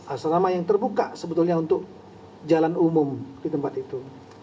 asrama yang terbuka sebetulnya untuk jalan umum di tempat itu